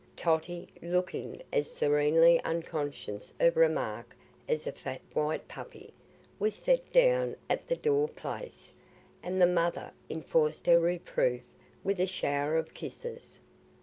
Totty, looking as serenely unconscious of remark as a fat white puppy, was set down at the door place, and the mother enforced her reproof with a shower of kisses.